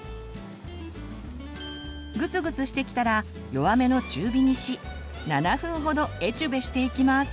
グツグツしてきたら弱めの中火にし７分ほどエチュベしていきます。